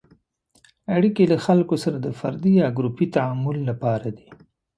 اړیکې له خلکو سره د فردي یا ګروپي تعامل لپاره دي.